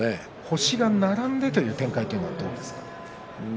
星が並んでという展開はどうですか？